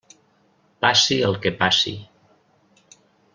Passi el que passi.